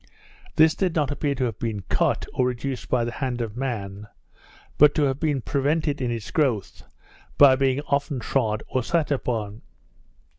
This did not appear to have been cut, or reduced by the hand of man, but to have been prevented in its growth, by being often trod, or sat upon.